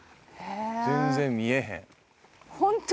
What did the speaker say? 全然見えへん。